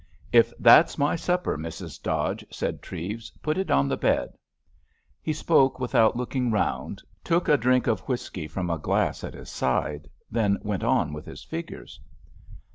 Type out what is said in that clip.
"If that's my supper, Mrs. Dodge," said Treves, "put it on the bed." He spoke without looking round, took a drink of whisky from a glass at his side, then went on with his figures.